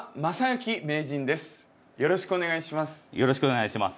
よろしくお願いします。